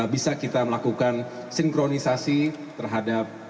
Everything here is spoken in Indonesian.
bisa kita melakukan sinkronisasi terhadap